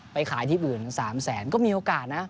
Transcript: ไปขายที่อื่น๓แสนก็มีโอกาสนะ